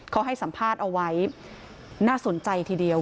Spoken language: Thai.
เขาให้สัมภาษณ์เอาไว้น่าสนใจทีเดียว